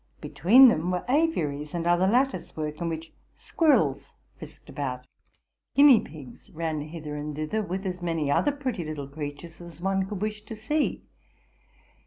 Between them were aviaries and other lattice work, in which squirrels frisked about, guinea pigs ran hither and thither, with as many other pretty little creatures as one could wish to see.